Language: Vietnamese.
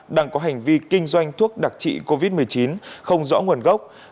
đang có hành vi kinh doanh thuốc đặc trị covid một mươi chín không rõ nguồn gốc